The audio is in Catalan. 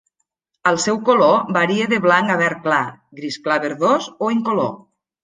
El seu color varia de blanc a verd clar, gris clar verdós o incolor.